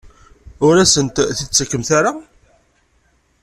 Ur asent-t-id-tettakemt ara?